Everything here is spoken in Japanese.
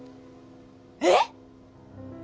「えっ！？」